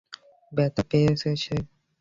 ব্যথা পেয়েছে সে?